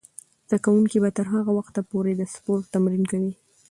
زده کوونکې به تر هغه وخته پورې د سپورت تمرین کوي.